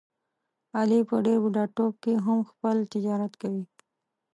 علي په ډېر بوډاتوب کې هم خپل تجارت کوي.